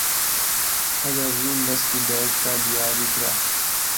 ئەگەر زوو لەسکی دایکدا دیاریکرا